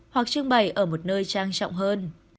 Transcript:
hoặc trưng bày ở một nơi trang trọng hơn